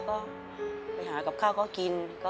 ไปหากับข้าก็กิน